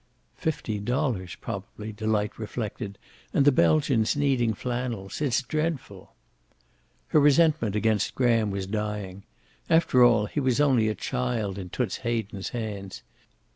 "Fifty dollars, probably," Delight reflected. "And the Belgians needing flannels. It's dreadful." Her resentment against Graham was dying. After all, he was only a child in Toots Hayden's hands.